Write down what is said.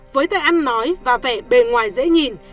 với cây ăn nói và vẻ bề ngoài dễ nhìn